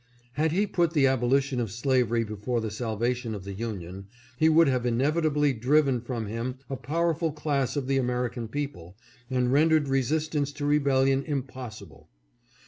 Had he put the abolition of slavery before the salvation of the Union, he would have inevitably driven from him a powerful class of the American people and rendered resistance to rebellion impossible.